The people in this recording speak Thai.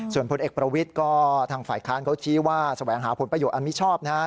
ส่วนพลเอกประวิทย์ก็ทางฝ่ายค้านเขาชี้ว่าแสวงหาผลประโยชนอันมิชอบนะฮะ